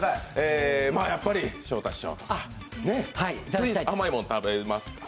やっぱり昇太師匠、甘いもの食べますか？